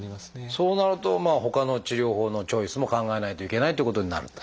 そうなるとほかの治療法のチョイスも考えないといけないということになると。